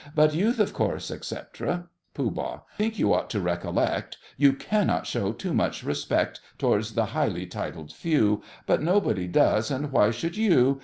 But youth, of course, etc. POOH. I think you ought to recollect You cannot show too much respect Towards the highly titled few; But nobody does, and why should you?